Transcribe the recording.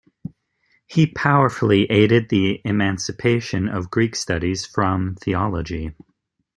He powerfully aided the emancipation of Greek studies from theology.